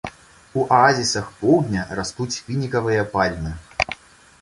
У аазісах поўдня растуць фінікавыя пальмы.